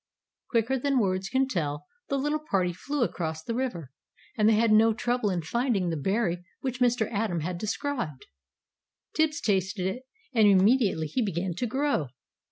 Quicker than words can tell, the little party flew across the river. And they had no trouble in finding the berry which Mr. Atom had described. Tibbs tasted it, and immediately he began to grow.